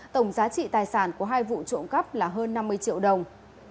tổng giá trị tài sản của hai vụ trộm cắp là hơn năm mươi triệu đồng